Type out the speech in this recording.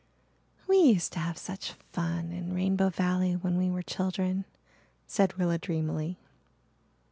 "We used to have such fun in Rainbow Valley when we were children," said Rilla dreamily.